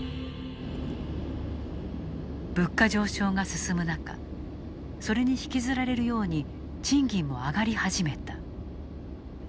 物価上昇が進む中それに引きずられるように賃金も上がり始めた。